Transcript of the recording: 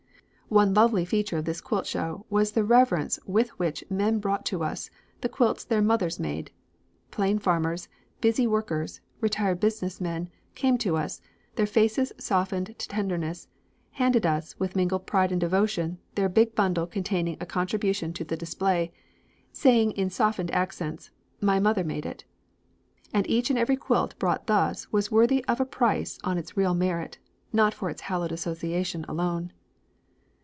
"One lovely feature of this quilt show was the reverence with which men brought to us the quilts their mothers made. Plain farmers, busy workers, retired business men, came to us, their faces softened to tenderness, handed us, with mingled pride and devotion, their big bundle containing a contribution to the display, saying in softened accents, 'My mother made it.' And each and every quilt brought thus was worthy of a price on its real merit not for its hallowed association alone.